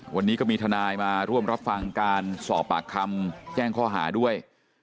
วันนี้ก็มีทนายมาร่วมรับฟังการสอบปากคำแจ้งข้อหาด้วย